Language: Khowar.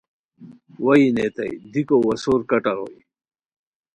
وا یی نیتائے دیکو وا سور کٹر ہوئے